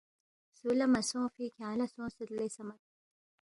سو لامسونگفی کھیانگ لا سونگسید لے صمد۔